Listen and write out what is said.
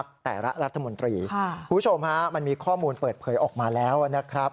คุณผู้ชมฮะมันมีข้อมูลเปิดเผยออกมาแล้วนะครับ